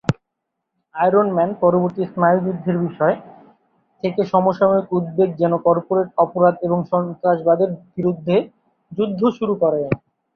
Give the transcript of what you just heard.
Iron man পরবর্তী স্নায়ুযুদ্ধের বিষয় থেকে সমসাময়িক উদ্বেগ যেমন কর্পোরেট অপরাধ এবং সন্ত্রাসবাদের বিরুদ্ধে যুদ্ধ শুরু করেন।